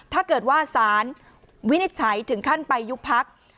ถ้าเกิดว่าสารวินิจฉัยถึงขั้นไปยุบพัก